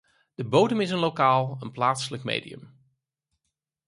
De bodem is een lokaal, een plaatselijk medium.